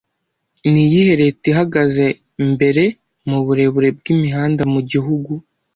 Ni iyihe Leta ihagaze mbere mu burebure bw'imihanda mu gihugu